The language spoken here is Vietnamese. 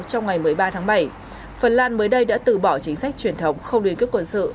trong ngày một mươi ba tháng bảy phần lan mới đây đã từ bỏ chính sách truyền thống không liên kết quân sự